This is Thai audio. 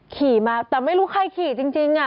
ขี่มาแต่ไม่รู้ใครขี่จริง